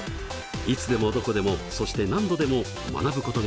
いつでもどこでもそして何度でも学ぶことができます。